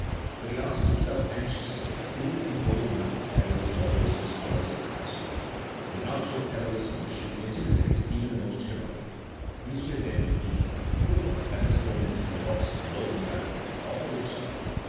But he asked himself anxiously who would be bold enough to carry his order as far as the palace. Would not so perilous a mission intimidate even the most heroic? M. d'Hervilly, who was at this moment in the box of the Logograph, offered himself.